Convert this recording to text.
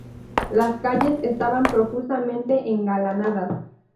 Las calles estaban profusamente engalanadas.